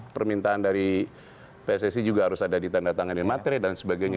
permintaan dari pssi juga harus ada di tanda tangan dan materi dan sebagainya